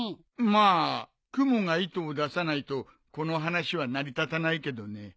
まあクモが糸を出さないとこの話は成り立たないけどね。